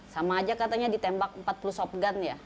sama aja katanya ditembak empat puluh shotgun ya